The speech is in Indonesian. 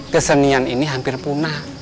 kesenian ini hampir punah